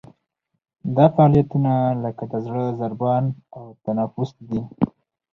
دا فعالیتونه لکه د زړه ضربان او تنفس دي.